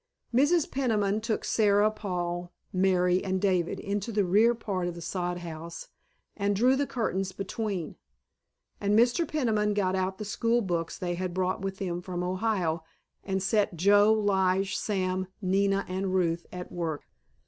Mrs. Peniman took Sara, Paul, Mary, and David into the rear part of the sod house and drew the curtains between, and Mr. Peniman got out the school books they had brought with them from Ohio and set Joe, Lige, Sam, Nina, and Ruth at work.